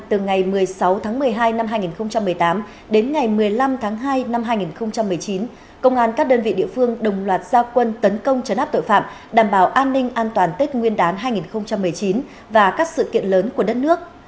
từ ngày một mươi sáu tháng một mươi hai năm hai nghìn một mươi tám đến ngày một mươi năm tháng hai năm hai nghìn một mươi chín công an các đơn vị địa phương đồng loạt gia quân tấn công chấn áp tội phạm đảm bảo an ninh an toàn tết nguyên đán hai nghìn một mươi chín và các sự kiện lớn của đất nước